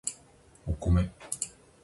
お米